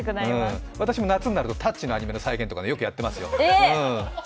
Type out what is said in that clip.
私も夏になると「タッチ」のアニメの再現とかやってますよ。